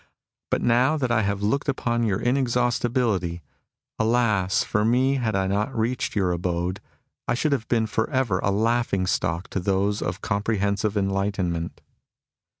But now that I have looked upon your inexhaustibility — alas for me had I not reached your abode, I should have been for ever a laughing stock to those of comprehensive enlightenment